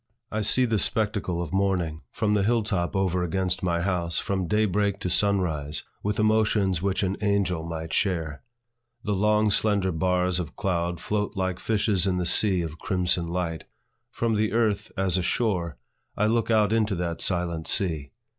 I see the spectacle of morning from the hill top over against my house, from day break to sun rise, with emotions which an angel might share. The long slender bars of cloud float like fishes in the sea of crimson light. From the earth, as a shore, I look out into that silent sea.